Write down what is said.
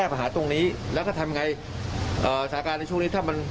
เพราะตอนนี้ก็เราเป็น